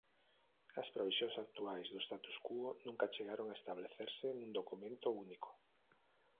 As provisións actuais do "status quo" nunca chegaron a establecerse nun documento único.